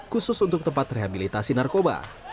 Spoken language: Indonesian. khusus untuk tempat rehabilitasi narkoba